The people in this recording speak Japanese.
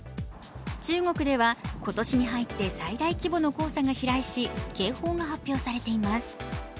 中国では今年に入って最大規模の黄砂が飛来し警報が発表されています。